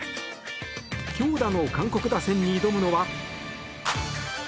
強打の韓国打線に挑むのは。